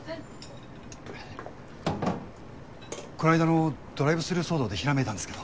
こないだのドライブスルー騒動でひらめいたんですけど。